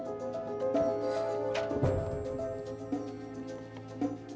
gak ada apa apa ini udah gila